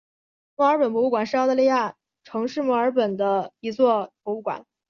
墨尔本博物馆是澳大利亚城市墨尔本的一座博物馆。